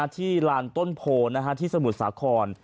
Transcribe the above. ที่ลานต้นโพที่สมุทรสาคร